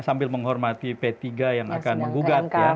sambil menghormati p tiga yang akan menggugat